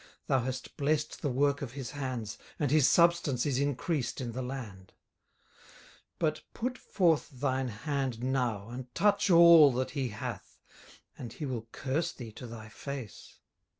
thou hast blessed the work of his hands, and his substance is increased in the land. 18:001:011 But put forth thine hand now, and touch all that he hath, and he will curse thee to thy face.